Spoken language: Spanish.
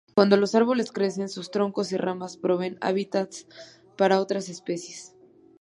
Cuando los árboles crecen sus troncos y ramas proveen hábitats para otras especies.